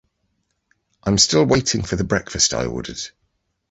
I'm still waiting for the breakfast I ordered.